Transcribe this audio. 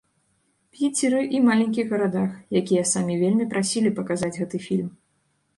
Піцеры і маленькіх гарадах, якія самі вельмі прасілі паказаць гэты фільм.